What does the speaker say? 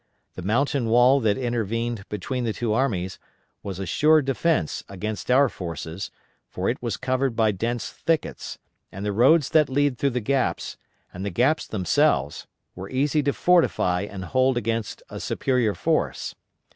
The mountain wall that intervened between the two armies, was a sure defence against our forces, for it was covered by dense thickets, and the roads that lead through the gaps, and the gaps themselves, were easy to fortify and hold against a superior force.